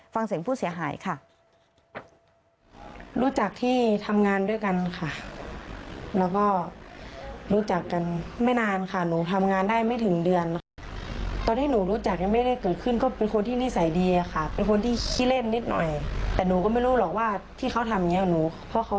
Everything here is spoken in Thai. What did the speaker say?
ฟังเสียงผู้เสียหายค่ะ